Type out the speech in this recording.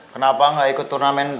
kenapa gak ikut turnamen